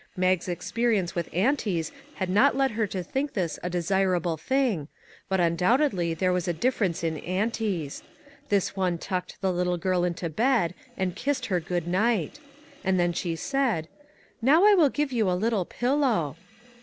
Mag's experience with aunties had not led her to think this a desirable thing, but undoubtedly there was a difference in aunties; this one tucked the little girl into bed, and kissed her good night! And then she said: " Now I will give you a little pillow."